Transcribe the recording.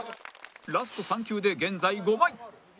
ラスト３球で現在５枚